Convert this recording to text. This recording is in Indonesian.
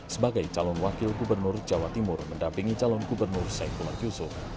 sebagai calon wakil gubernur jawa timur mendampingi calon gubernur saifullah yusuf